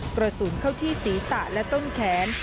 กระสุนเข้าที่ศีรษะและต้นแขน